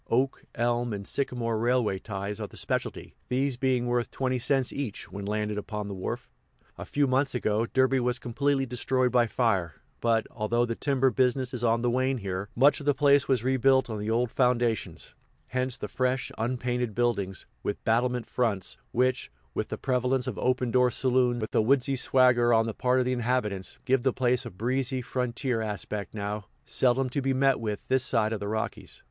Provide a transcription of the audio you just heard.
Oak, elm, and sycamore railway ties are the specialty, these being worth twenty cents each when landed upon the wharf. A few months ago, Derby was completely destroyed by fire, but, although the timber business is on the wane here, much of the place was rebuilt on the old foundations; hence the fresh, unpainted buildings, with battlement fronts, which, with the prevalence of open door saloons and a woodsy swagger on the part of the inhabitants, give the place a breezy, frontier aspect now seldom to be met with this side of the Rockies.